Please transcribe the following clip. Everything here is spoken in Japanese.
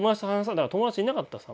だから友達いなかったです